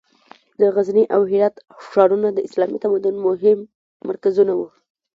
د غزني او هرات ښارونه د اسلامي تمدن مهم مرکزونه وو.